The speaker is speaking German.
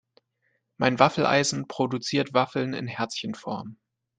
Mein Waffeleisen produziert Waffeln in Herzchenform.